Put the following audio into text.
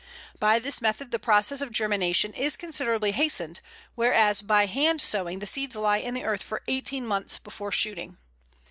By this method the process of germination is considerably hastened, whereas by hand sowing the seeds lie in the earth for eighteen months before shooting.